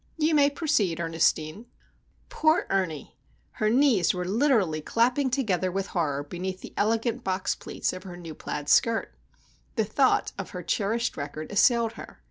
You may proceed, Ernestine." Poor Ernie! her knees were literally clapping together with horror beneath the elegant box pleats of her new plaid skirt. The thought of her cherished record assailed her.